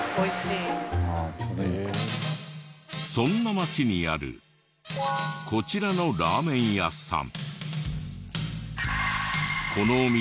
そんな町にあるこちらのラーメン屋さん。